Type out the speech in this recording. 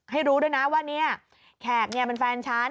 ให้รู้ด้วยนะว่าเนี่ยแขกเป็นแฟนฉัน